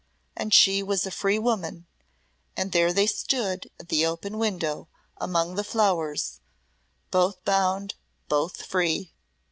And she was a free woman, and there they stood at the open window among the flowers both bound, both free!